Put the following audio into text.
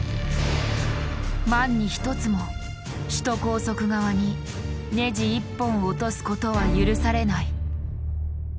万に一つも首都高速側にネジ一本落とすことは許されない。